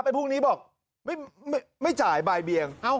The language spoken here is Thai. พรุ่งนี้บอกไม่จ่ายบ่ายเบียง